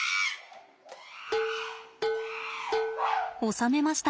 収めました。